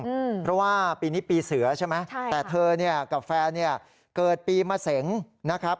เพราะว่าปีนี้ปีเสือใช่ไหมใช่แต่เธอเนี่ยกับแฟนเนี่ยเกิดปีมะเสงนะครับ